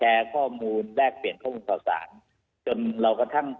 และก็สปอร์ตเรียนว่าคำน่าจะมีการล็อคกรมการสังขัดสปอร์ตเรื่องหน้าในวงการกีฬาประกอบสนับไทย